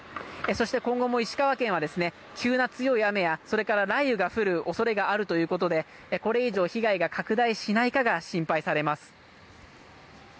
そして今後も石川県は、急な強い雨やそれから雷雨が降る恐れがあるということでこれ以上、被害が拡大しないかが心配されます。